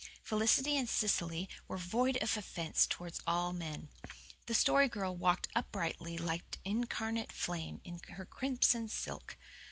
Felicity and Cecily were void of offence towards all men. The Story Girl walked uprightly like an incarnate flame in her crimson silk.